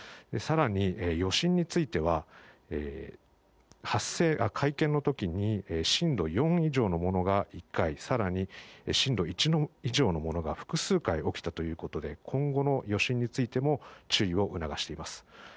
更に、余震については会見の時に震度４以上のものが１回更に震度１以上のものが複数回起きたということで今後の余震についても注意を促しています。